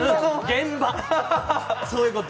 現場、そういうこと。